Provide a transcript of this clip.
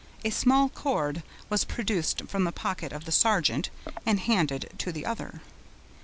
A small cord was produced from the pocket of the sergeant, and handed to the other.